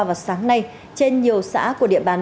và sáng nay trên nhiều xã của địa bàn